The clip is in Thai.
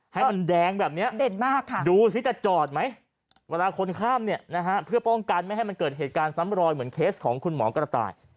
ให้มันแดงแบบนี้เด่นมากค่ะดูสิจะจอดไหมเวลาคนข้ามเนี่ยนะฮะเพื่อป้องกันไม่ให้มันเกิดเหตุการณ์ซ้ำรอยเหมือนเคสของคุณหมอกระต่าย